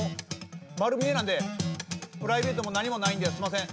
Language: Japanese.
丸見えなんでプライベートも何もないんですいません